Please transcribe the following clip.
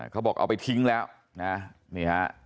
เขาบอกเอาไปทิ้งแล้วนะนี่ฮะ